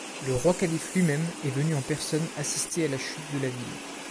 Le Roi-Calife lui-même est venu en personne assister à la chute de la ville.